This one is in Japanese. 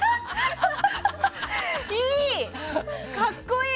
いい！